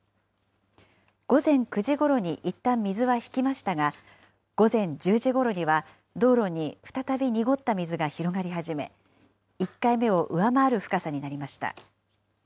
午前９時ごろにいったん水は引きましたが、午前１０時ごろには道路に再び濁った水が広がり始め、１回目を上回る深さになりました。